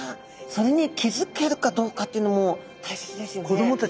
それに気付けるかどうかというのも大切ですよね。